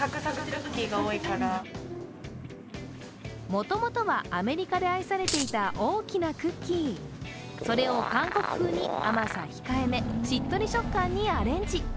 もともとは、アメリカで愛されていた大きなクッキー。それを韓国風に甘さ控えめ、しっとり食感にアレンジ。